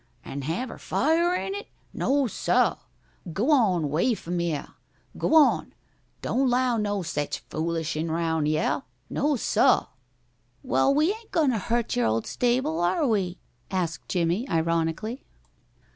"An' have er fiah in it? No, seh! G'w'on 'way f'm heh! g'w'on! Don' 'low no sech foolishin' round yer. No, seh!" "Well, we ain't goin' to hurt your old stable, are we?" asked Jimmie, ironically.